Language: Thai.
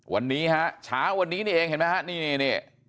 วันนี้ฮะเช้าวันนี้นี่เองเห็นไหมฮะนี่